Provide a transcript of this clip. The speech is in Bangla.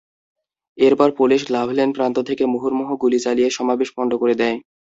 এরপর পুলিশ লাভলেন প্রান্ত থেকে মুহুর্মুহু গুলি চালিয়ে সমাবেশ পণ্ড করে দেয়।